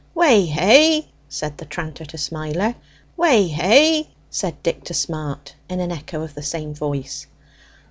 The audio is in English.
"Weh hey!" said the tranter to Smiler. "Weh hey!" said Dick to Smart, in an echo of the same voice.